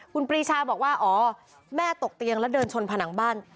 คุณปรีชาบอกว่าอ๋อแม่ตกเตียงแล้วเดินชนผนังบ้าน